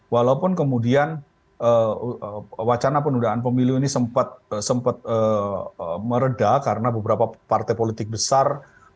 walaupun kemudian wacana penundaan pemilu ini sempat meredah karena beberapa partai politik besar